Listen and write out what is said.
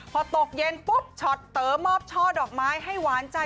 พอตกเย็นปุ๊บช็อตเต๋อมอบช่อดอกไม้ให้หวานใจ